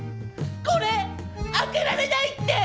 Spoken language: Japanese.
これ開けられないって！